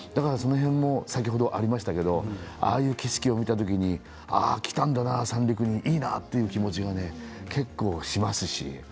先ほどありましたけどああいう景色を見た時にああ来たんだな三陸にいいなという気持ちがね結構きますし。